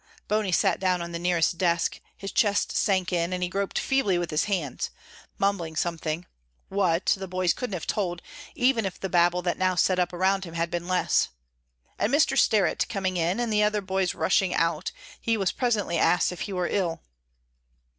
Bony sat down on the nearest desk, his chest sank in, and he groped feebly with his hands, mumbling something what, the boys couldn't have told, even if the babel that now set up around him had been less. And Mr. Sterrett coming in, and the other boys rushing out, he was presently asked if he were ill.